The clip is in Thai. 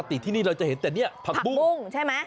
ปกติที่นี่เราจะเห็นแต่เนี่ยผักบุ้งปุ้งใช่ไหม